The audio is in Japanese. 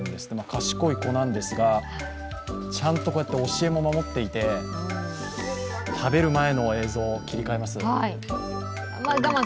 賢い子なんですがちゃんと教えも守っていて、食べる前の映像、切り替えます。